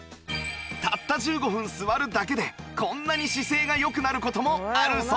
たった１５分座るだけでこんなに姿勢が良くなる事もあるそうです